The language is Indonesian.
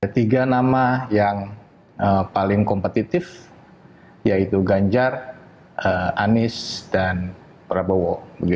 tiga nama yang paling kompetitif yaitu ganjar anies dan prabowo